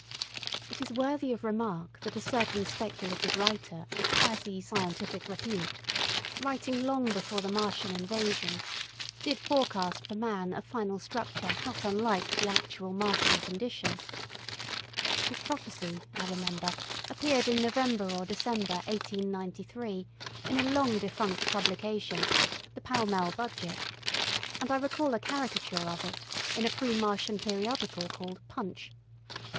It is worthy of remark that a certain speculative writer of quasi scientific repute, writing long before the Martian invasion, did forecast for man a final structure not unlike the actual Martian condition. His prophecy, I remember, appeared in November or December, 1893, in a long defunct publication, the Pall Mall Budget, and I recall a caricature of it in a pre Martian periodical called Punch.